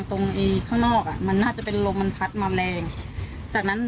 ตอนแรกเราก็บอกว่ามันต้องมีอะไรท้องไหมใช่ไหม